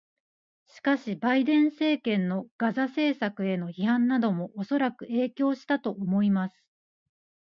しかし、バイデン政権のガザ政策への批判などもおそらく影響したと思います。